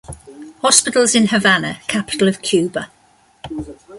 Hospitals in Havana, capital of Cuba.